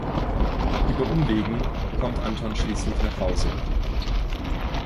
Über Umwegen kommt Anton schließlich nach Hause.